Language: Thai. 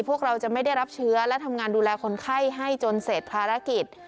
พวกเราจะไม่ได้รับเชื้อและทำงานดูแลคนไข้ให้จนเสร็จภารกิจ